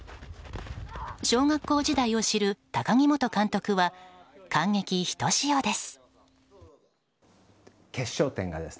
小学校当時を知る高木元監督は感激ひとしおです。